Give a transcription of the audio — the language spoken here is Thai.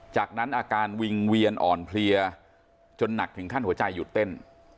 จากนั้นอาการวิงเวียนอ่อนเพลียจนหนักถึงขั้นหัวใจหยุดเต้น